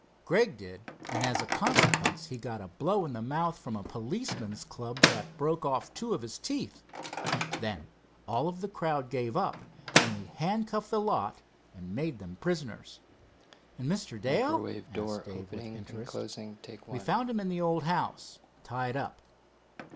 "Gregg did, and as a consequence he got a blow in the mouth from a policeman's club that broke off two of his teeth. Then all of the crowd gave up, and we handcuffed the lot and made them prisoners." "And Mr. Dale?" asked Dave, with interest. "We found him in the old house, tied up."